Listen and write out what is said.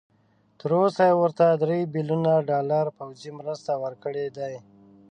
تر اوسه یې ورته درې بيلیونه ډالر پوځي مرسته ورکړي دي.